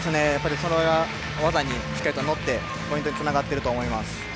それが技にしっかりと乗ってポイントにつながっていると思います。